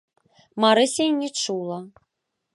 Марыся і не чула.